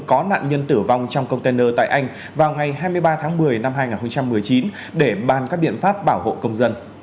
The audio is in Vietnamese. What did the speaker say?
có nạn nhân tử vong trong container tại anh vào ngày hai mươi ba tháng một mươi năm hai nghìn một mươi chín để bàn các biện pháp bảo hộ công dân